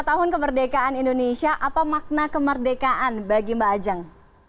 lima tahun kemerdekaan indonesia apa makna kemerdekaan bagi mbak ajeng